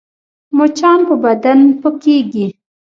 مچان په بدن پکېږي